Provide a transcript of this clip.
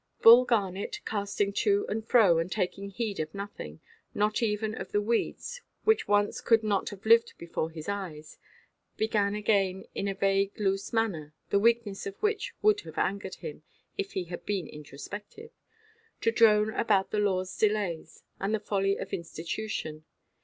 Bull Garnet, casting to and fro, and taking heed of nothing, not even of the weeds which once could not have lived before his eyes, began again in a vague loose manner (the weakness of which would have angered him, if he had been introspective) to drone about the lawʼs delays, and the folly of institution.